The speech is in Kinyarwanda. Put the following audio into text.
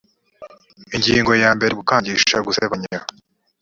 ingingo yambere gukangisha gusebanya